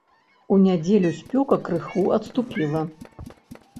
У нядзелю спёка крыху адступіла.